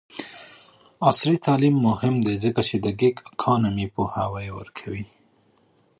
عصري تعلیم مهم دی ځکه چې د ګیګ اکونومي پوهاوی ورکوي.